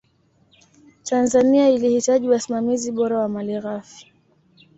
tanzania ilihitaji wasimamizi bora wa mali ghafi